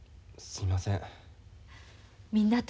すみません。